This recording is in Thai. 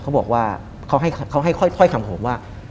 เขาบอกว่าเขาให้ค่อยคำผมว่า